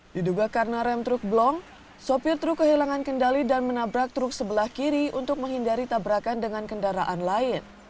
diduga karena rem truk blong sopir truk kehilangan kendali dan menabrak truk sebelah kiri untuk menghindari tabrakan dengan kendaraan lain